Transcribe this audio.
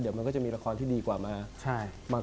เดี๋ยวมันก็จะมีละครที่ดีกว่ามา